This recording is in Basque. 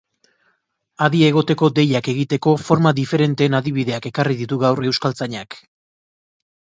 Adi egoteko deiak egiteko forma diferenteen adibideak ekarri ditu gaur euskaltzainak.